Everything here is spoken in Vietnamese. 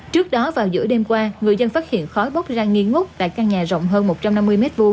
trước đó vào giữa đêm qua người dân phát hiện khói bốc ra nghi ngút tại căn nhà rộng hơn một trăm năm mươi m hai